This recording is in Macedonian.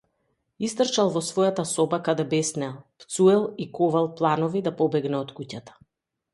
Истрчал во својата соба каде беснеел, пцуел и ковал планови да побегне од куќата.